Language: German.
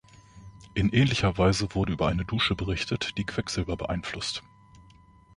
In ähnlicher Weise wurde über eine Dusche berichtet, die Quecksilber beeinflusst.